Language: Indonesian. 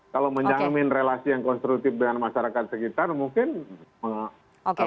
kalau menjamin relasi yang konstruktif dengan masyarakat sekitar mungkin